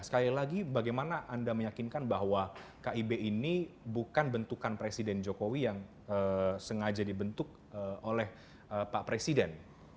sekali lagi bagaimana anda meyakinkan bahwa kib ini bukan bentukan presiden jokowi yang sengaja dibentuk oleh pak presiden